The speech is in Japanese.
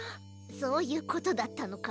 そういうことだったのか。